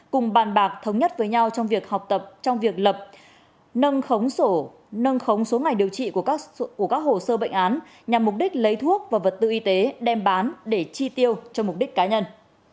cùng bàn bạc thống nhất với nhau trong việc học tập trong việc lập nâng khống nâng khống số ngày điều trị của các hồ sơ bệnh án nhằm mục đích lấy thuốc và vật tư y tế đem bán để chi tiêu cho mục đích cá nhân